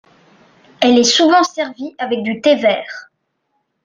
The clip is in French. Elle est souvent servie avec du thé vert.